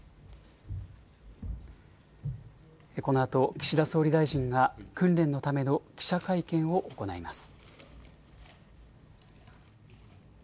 このあと岸田総理大臣が訓練のための記者会見を行います。